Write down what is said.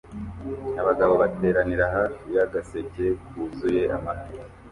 Abagabo bateranira hafi y'agaseke kuzuye amafi